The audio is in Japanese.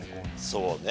そうね。